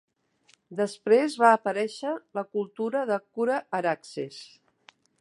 Després va aparèixer la cultura de Kura-Araxes.